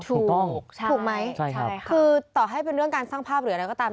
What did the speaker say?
ถูกถูกไหมคือต่อให้เป็นเรื่องการสร้างภาพหรืออะไรก็ตาม